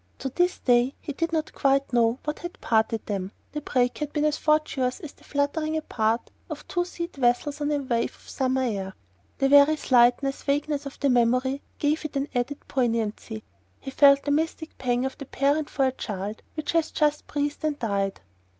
To this day he did not quite know what had parted them: the break had been as fortuitous as the fluttering apart of two seed vessels on a wave of summer air... The very slightness, vagueness, of the memory gave it an added poignancy. He felt the mystic pang of the parent for a child which has just breathed and died.